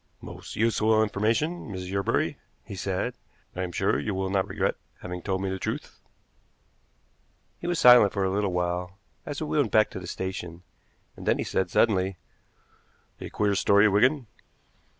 "Most useful information, Miss Yerbury," he said. "I am sure you will not regret having told me the truth." He was silent for a little while, as we went back to the station, and then he said suddenly: "A queer story, Wigan."